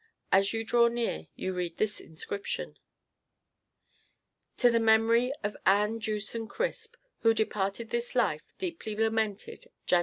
As you draw near, you read this inscription: To the memory of ANN JEWSON CRISP Who departed this life Deeply lamented, Jan.